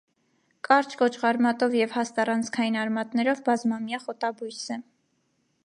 Կարճ կոճղարմատով և հաստ առանցքային արմատներով բազմամյա խոտաբույս է։